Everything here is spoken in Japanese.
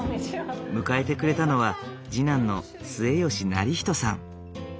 迎えてくれたのは次男の末吉業人さん。